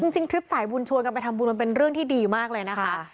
ทริปสายบุญชวนกันไปทำบุญมันเป็นเรื่องที่ดีมากเลยนะคะ